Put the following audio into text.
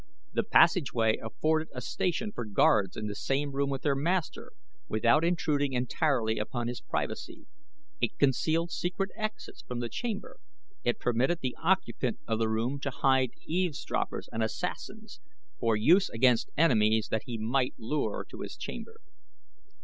The passageway afforded a station for guards in the same room with their master without intruding entirely upon his privacy; it concealed secret exits from the chamber; it permitted the occupant of the room to hide eavesdroppers and assassins for use against enemies that he might lure to his chamber.